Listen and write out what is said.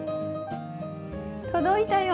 届いたよ。